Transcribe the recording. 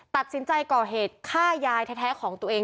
ตัดสินใจก่อเหตุฆ่ายายแท้ของตัวเอง